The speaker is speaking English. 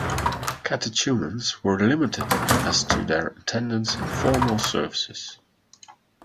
Catechumens were limited as to their attendance in formal services.